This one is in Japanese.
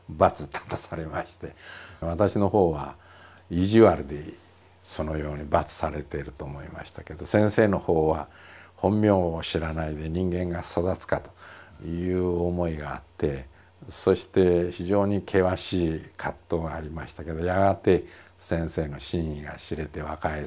私のほうは意地悪でそのように罰されていると思いましたけど先生のほうは本名を知らないで人間が育つかという思いがあってそして非常に険しい葛藤はありましたけどやがて先生の真意が知れて和解する日が来たんですけど。